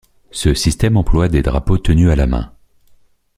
Ce système emploie des drapeaux tenus à la main.